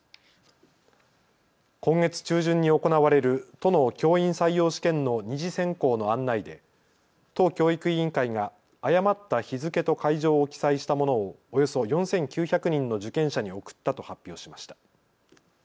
今月中旬に行われる都の教員採用試験の２次選考の案内で都教育委員会が誤った日付と会場を記載したものをおよそ４９００人の受験者に送ったと発表しました。